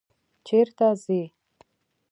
چیرته ځئ؟